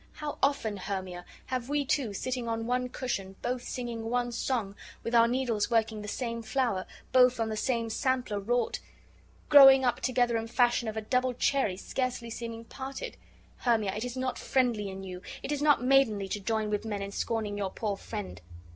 How often, Hermia, have we two, sitting on one cushion, both singing one song, with our needles working the same flower, both on the same sampler wrought; growing up together in fashion of a double cherry, scarcely seeming parted! Hermia, it is not friendly in you, it is not maidenly to join with men in scorning your poor friend."